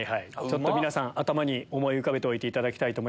皆さん頭に思い浮かべておいていただきたい。